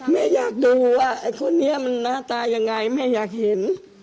แม่อยากดูว่าไอ้คนนี้มันหน้าตายังไงแม่อยากเห็น